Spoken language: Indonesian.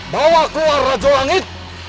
bawa keluar raja langit